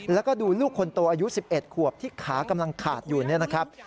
แล้วก็ดูลูกคนโตอายุ๑๑ขวบที่ขากำลังขาดอยู่เนี่ยนะครับ